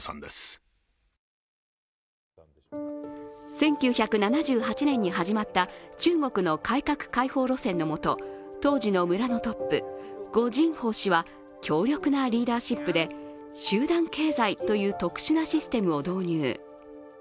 １９７８年に始まった中国の改革開放路線のもと当時の村のトップ、呉仁宝氏は強力なリーダーシップで集団経済という特殊なシステムを導入。